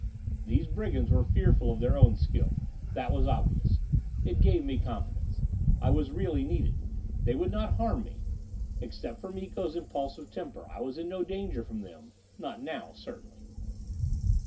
These brigands were fearful of their own skill. That was obvious. It gave me confidence. I was really needed. They would not harm me. Except for Miko's impulsive temper, I was in no danger from them not now, certainly.